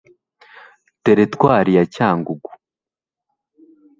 Teritwari ya Cyangugu